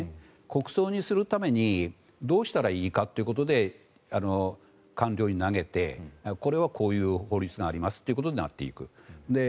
国葬にするためにどうしたらいいかということで官僚に投げてこれはこういう法律がありますということになっていく。